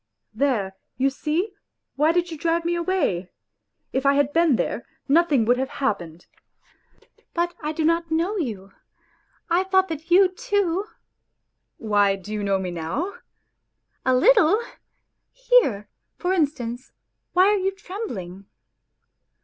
" There, you see ; why did you drive me away ? If I had been here, nothing would have happened ..."" But I did not know you ; I thought that you too ..'" Why, do you know me now ?"" A little ! Here, for instance, why are you trembling